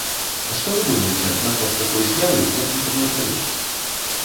Што вы думаеце наконт такой з'явы, як інтэрнет-залежнасць?